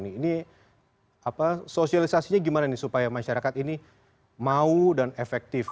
ini sosialisasinya bagaimana supaya masyarakat ini mau dan efektif